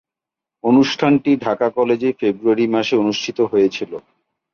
অনুষ্ঠানটি ঢাকা কলেজে ফেব্রুয়ারি মাসে অনুষ্ঠিত হয়েছিলো।